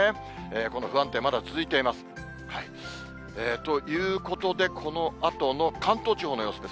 この不安定、まだ続いています。ということで、このあとの関東地方の様子です。